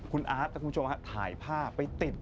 คุณอาทรักคุณชมฮะถ่ายผ้าไปติด